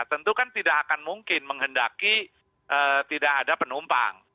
tentu kan tidak akan mungkin menghendaki tidak ada penumpang